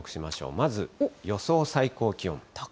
まず予想最高気温。